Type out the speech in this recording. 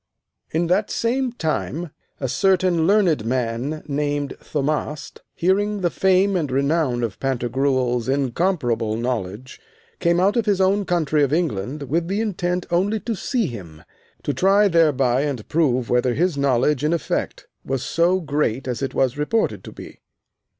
In that same time a certain learned man named Thaumast, hearing the fame and renown of Pantagruel's incomparable knowledge, came out of his own country of England with an intent only to see him, to try thereby and prove whether his knowledge in effect was so great as it was reported to be.